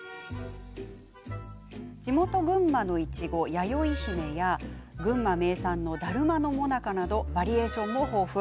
地元群馬のいちご、やよいひめや群馬名産のだるまのもなかなどバリエーションも豊富。